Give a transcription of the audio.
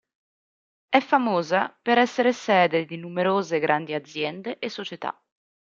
È famosa per essere sede di numerose grandi aziende e società.